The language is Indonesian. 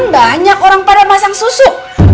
banyak orang pada masang susu